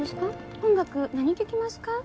「音楽何聴きますか？」